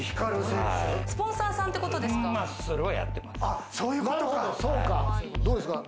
スポンサーさんってことですか？